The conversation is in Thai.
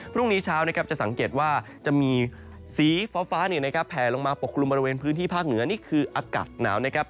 พรุ่งนี้เช้านะครับจะสังเกตว่าจะมีสีฟ้าแผลลงมาปกคลุมบริเวณพื้นที่ภาคเหนือนี่คืออากาศหนาวนะครับ